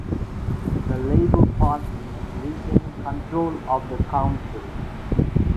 The Labour Party retained control of the council.